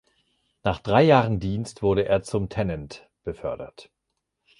Nach drei Jahren Dienst wurde er zum "Tenente" befördert.